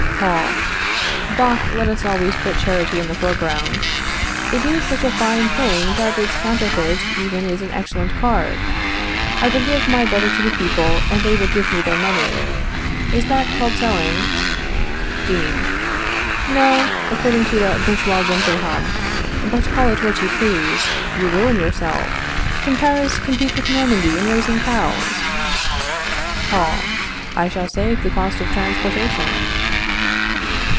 Paul. Bah, let us always put charity in the foreground. It is such a fine thing that its counterfeit even is an excellent card. I will give my butter to the people and they will give me their money. Is that called selling? Jean. No, according to the Bourgeois Gentilhomme; but call it what you please, you ruin yourself. Can Paris compete with Normandy in raising cows? Paul. I shall save the cost of transportation.